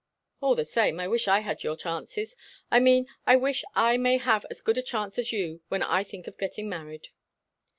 "All the same I wish I had your chances I mean, I wish I may have as good a chance as you, when I think of getting married."